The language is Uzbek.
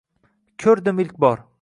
Ko’rdim ilk bor